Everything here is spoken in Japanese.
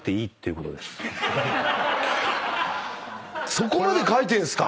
そこまで書いてんすか。